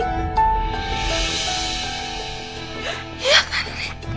iya kan rik